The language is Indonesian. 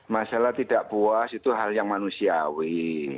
masalah tidak puas itu hal yang manusiawi